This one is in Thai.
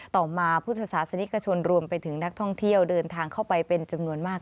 ต่อมาพุทธศาสนิกชนรวมไปถึงนักท่องเที่ยวเดินทางเข้าไปเป็นจำนวนมาก